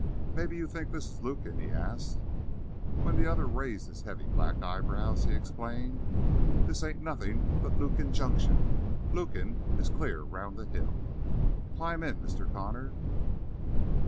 "Maybe you think this is Lukin?" he asked. When the other raised his heavy black eyebrows he explained: "This ain't nothing but Lukin Junction. Lukin is clear round the hill. Climb in, Mr. Connor."